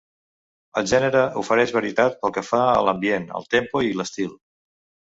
El gènere ofereix varietat pel que fa a l'ambient, el tempo i l'estil.